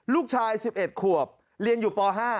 ลูกชาย๑๑ขวบเรียนอยู่ป๕